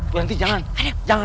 dur nanti jangan jangan